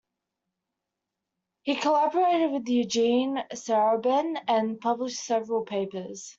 He collaborated with Eugene Serabyn and published several papers.